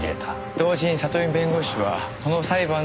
同時に里見弁護士はその裁判で名声を得た。